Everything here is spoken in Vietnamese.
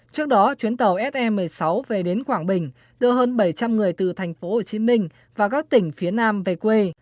trước đó chuyến tàu se một mươi sáu về đến quảng bình đưa hơn bảy trăm linh người từ thành phố hồ chí minh và các tỉnh phía nam về quê